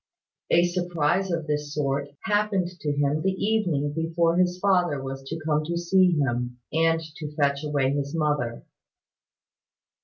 A surprise of this sort happened to him the evening before his father was to come to see him, and to fetch away his mother.